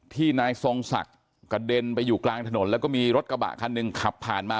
นายทรงศักดิ์กระเด็นไปอยู่กลางถนนแล้วก็มีรถกระบะคันหนึ่งขับผ่านมา